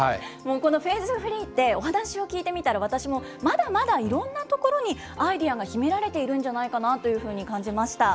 このフェーズフリーって、お話を聞いてみたら、私もまだまだいろんなところにアイデアが秘められているんじゃないかなというふうに感じました。